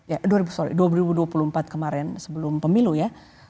ya sorry dua ribu dua puluh empat kemarin sebelum pemilu ya